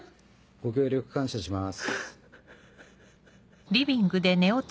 ご協力感謝します。